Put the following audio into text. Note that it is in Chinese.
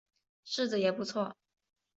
柿子也不错